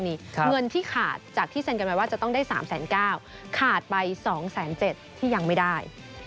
เงินที่ขาดจากที่เซ็นกันไว้ว่าจะต้องได้๓๙๐๐ขาดไป๒๗๐๐ที่ยังไม่ได้